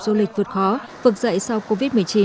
du lịch vượt khó vực dậy sau covid một mươi chín